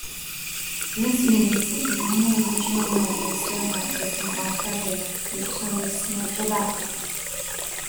This means that the only original member still active with Altaria is Tony Smedjebacka.